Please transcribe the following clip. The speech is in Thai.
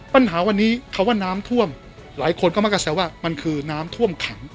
ปัญหาวันนี้คำว่าน้ำท่วมหลายคนก็มักจะแซวว่ามันคือน้ำท่วมขัง